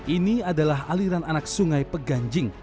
ini adalah aliran anak sungai peganjing